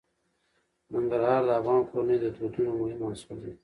ننګرهار د افغان کورنیو د دودونو مهم عنصر دی.